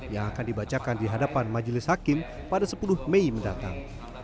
yang akan dibacakan di hadapan majelis hakim pada sepuluh mei mendatang